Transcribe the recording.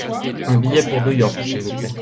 Un billet pour New York s’il vous plait.